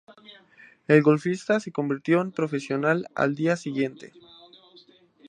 El golfista se convirtió en profesional al día siguiente.